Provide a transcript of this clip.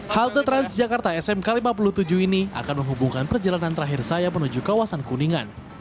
halte transjakarta smk lima puluh tujuh ini akan menghubungkan perjalanan terakhir saya menuju kawasan kuningan